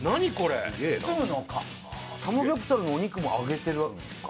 包むのかサムギョプサルのお肉も揚げてるわけですか？